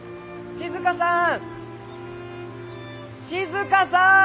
静さん！